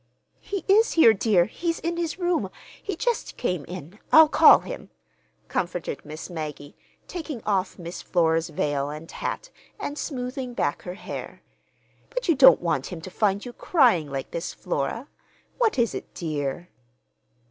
"He is here, dear. He's in his room. He just came in. I'll call him," comforted Miss Maggie, taking off Miss Flora's veil and hat and smoothing back her hair. "But you don't want him to find you crying like this, Flora. What is it, dear?"